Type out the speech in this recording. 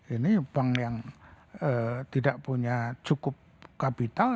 ini bank yang tidak punya cukup kapital